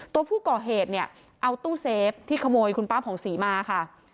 ตัวผู้ก่อเหตุเนี่ยเอาตู้เซฟที่ขโมยคุณป้าผ่องศรีมาค่ะ